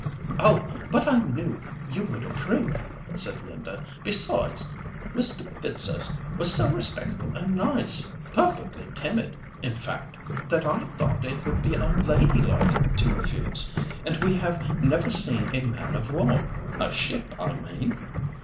"Oh! but I knew you would approve," said Linda; "besides Mr. Fitzurse was so respectful and nice—perfectly timid, in fact—that I thought it would be unladylike to refuse. And we have never seen a man of war—a ship I mean.